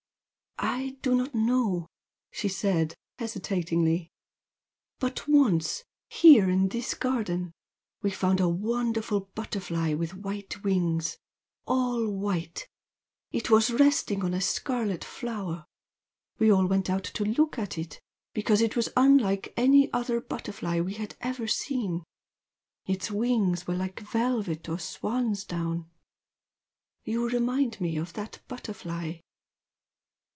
"I do not know" she said, hesitatingly "But once here in this garden we found a wonderful butterfly with white wings all white, and it was resting on a scarlet flower. We all went out to look at it, because it was unlike any other butterfly we had ever seen, its wings were like velvet or swansdown. You remind me of that butterfly."